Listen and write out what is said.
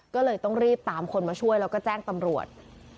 ก็เลยต้องรีบตามคนมาช่วยแล้วก็แจ้งตำรวจ